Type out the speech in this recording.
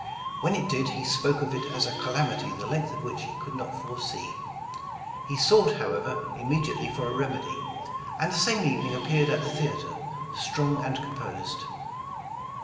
When it did, he spoke of it as a "calamity the length of which he could not foresee." He sought however immediately for a remedy; and the same evening appeared at the theater, strong and composed.